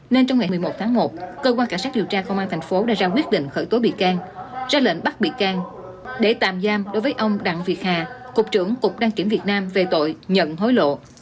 nên trong ngày một mươi một tháng một cơ quan cảnh sát điều tra công an thành phố đã ra quyết định khởi tố bị can ra lệnh bắt bị can để tạm giam đối với ông đặng việt hà cục trưởng cục đăng kiểm việt nam về tội nhận hối lộ